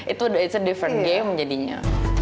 it's a different game jadinya